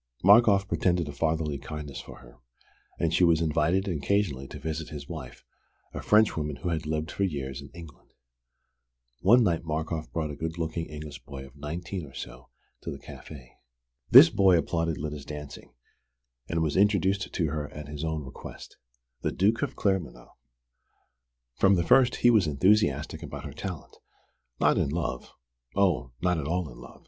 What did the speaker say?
Markoff pretended a fatherly kindness for her; and she was invited occasionally to visit his wife, a Frenchwoman who had lived for years in England. One night Markoff brought a good looking English boy of nineteen or so to the café. This boy applauded Lyda's dancing, and was introduced to her at his own request: The Duke of Claremanagh. From the first he was enthusiastic about her talent: not in love ("oh, not at all in love!"